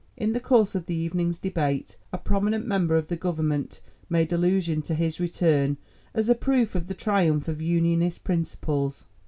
In the course of the evening's debate a prominent member of the Government made allusion to his return as a proof of the triumph of Unionist principles.